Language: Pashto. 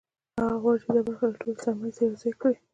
هغه غواړي چې دا برخه له ټولې سرمایې سره یوځای کړي